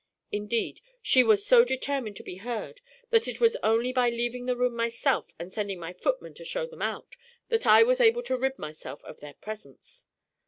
Indeed, she was so determined to be heard, that it was only by leaving the room myself and sending my footman to show them out that I was able to rid myself of their presence.